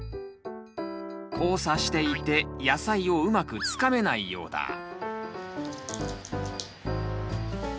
交差していて野菜をうまくつかめないようだ。